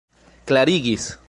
klarigis